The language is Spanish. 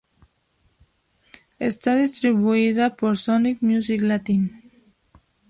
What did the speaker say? Está distribuida por Sony Music Latin.